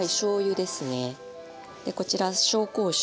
でこちら紹興酒。